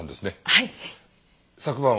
はい。